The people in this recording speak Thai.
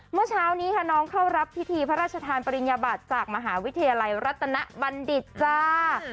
เมื่อเช้านี้ค่ะน้องเข้ารับพิธีพระราชทานปริญญาบัติจากมหาวิทยาลัยรัตนบัณฑิตจ้า